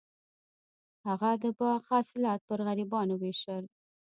هغه د باغ حاصلات په غریبانو ویشل.